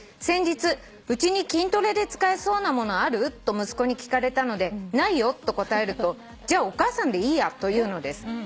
先日『うちに筋トレで使えそうなものある？』と息子に聞かれたので『ないよ』と答えると『じゃあお母さんでいいや』と言うのです。